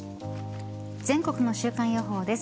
全国の週間予報です。